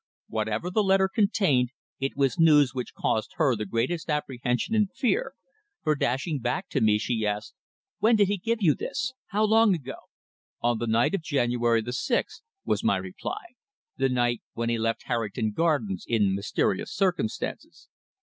Whatever the letter contained it was news which caused her the greatest apprehension and fear, for dashing back to me she asked: "When did he give you this? How long ago?" "On the night of January the sixth," was my reply. "The night when he left Harrington Gardens in mysterious circumstances."